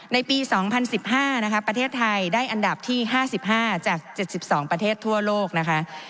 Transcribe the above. ในปี๒๐๑๕นะคะประเทศไทยได้อันดับที่๕๕จาก๗๒ประเทศทั่วโลกนะคะ